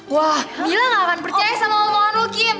wah mila gak akan percaya sama omongan lo kim